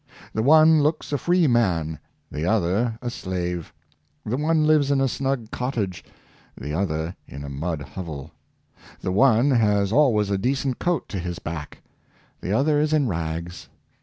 The one looks a free man; the other a slave. The one lives in a snug cottage; the other in a mud hovel. The one has always a decent coat to his back; the other is in rags.